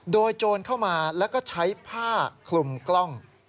โดยโจรเข้ามาแล้วก็ใช้ผ้าคลุมกล้อง